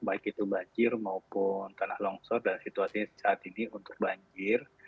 baik itu banjir maupun tanah longsor dan situasinya saat ini untuk banjir